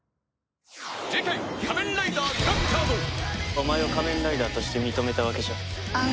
お前を仮面ライダーとして認めたわけじゃない。